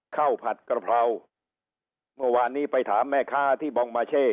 ผัดกระเพราเมื่อวานนี้ไปถามแม่ค้าที่บองมาเช่